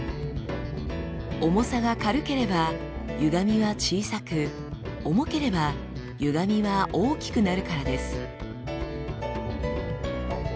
重さが軽ければゆがみは小さく重ければゆがみは大きくなるからです。